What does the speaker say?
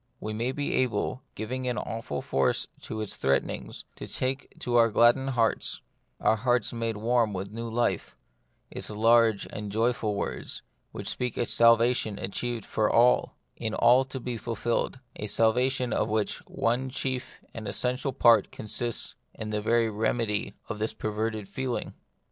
We may be able, giving an awful force to all its threatenings, to take to our gladdened hearts — our hearts made warm vvith a new life — its large and joyful words, which speak of a salvation achieved for all, in all to be fulfilled ; a salvation of which one, chief and most essential part consists in the very remedy of this perverted feeling.